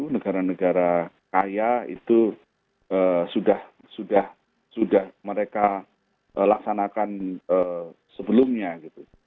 negara negara kaya itu sudah mereka laksanakan sebelumnya gitu